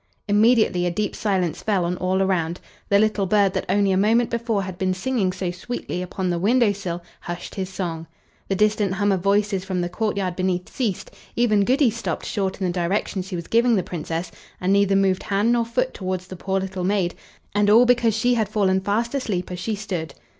Immediately a deep silence fell on all around. The little bird that only a moment before had been singing so sweetly upon the window sill hushed his song. The distant hum of voices from the courtyard beneath ceased; even Goody stopped short in the directions she was giving the Princess, and neither moved hand nor foot towards the poor little maid, and all because she had fallen fast asleep as she stood.